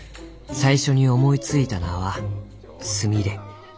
「最初に思いついた名は『スミレ』。